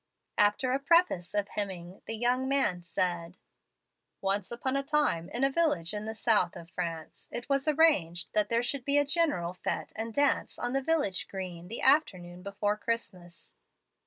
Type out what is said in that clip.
After a preface of hemming, the young man said: "Once upon a time, in a village in the south of France, it was arranged that there should be a general fete and dance on the village green the afternoon before Christmas.